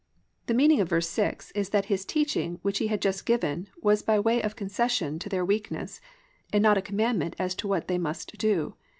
The meaning of v. 6 is that his teaching which he had just given was by way of concession to their weakness, and not a commandment as to what they must do.